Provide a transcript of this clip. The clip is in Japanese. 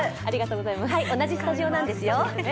同じスタジオなんですよ。